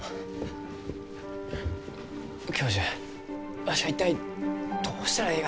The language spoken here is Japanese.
教授わしは一体どうしたらえいがでしょうか？